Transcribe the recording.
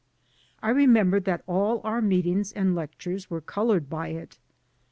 I remembered that all our meetings and lectures were colored by it.